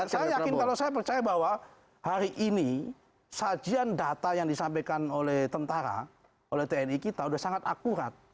saya yakin kalau saya percaya bahwa hari ini sajian data yang disampaikan oleh tentara oleh tni kita sudah sangat akurat